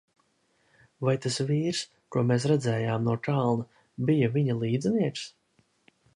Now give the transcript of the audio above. Vai tas vīrs, ko mēs redzējām no kalna, bija viņa līdzinieks?